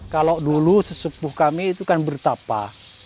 kalau dulu sesepuh kami itu kan bertapa